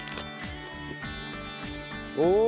おお。